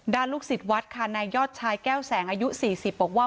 ลูกศิษย์วัดค่ะนายยอดชายแก้วแสงอายุ๔๐บอกว่า